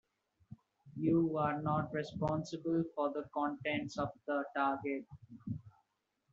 You are not responsible for the contents of the target.